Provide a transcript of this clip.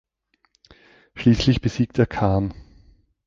Schließlich besiegt er Khan.